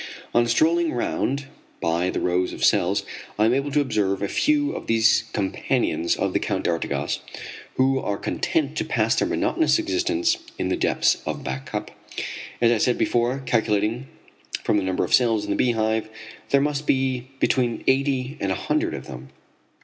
On strolling round by the rows of cells I am able to observe a few of these companions of the Count d'Artigas who are content to pass their monotonous existence in the depths of Back Cup. As I said before, calculating from the number of cells in the Beehive, there must be between eighty and a hundred of them.